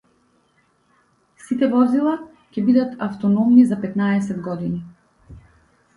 Сите возила ќе бидат автономни за петнаесет години.